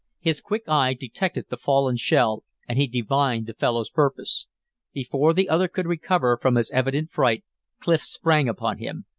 His quick eye detected the fallen shell, and he divined the fellow's purpose. Before the other could recover from his evident fright, Clif sprang upon him.